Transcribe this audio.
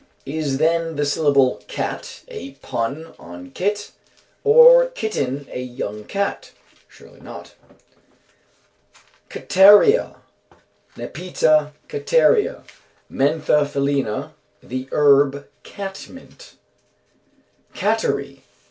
Is then the syllable "cat" a pun on "kit" or "kitten" (a young cat)? Surely not. Cattaria. Nepeta Cattaria. Mentha felina, the herb cat mint. _Cattery.